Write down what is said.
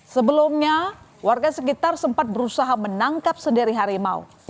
sebelumnya warga sekitar sempat berusaha menangkap sendiri harimau